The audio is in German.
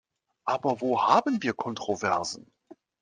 Aber wo haben wir Kontroversen?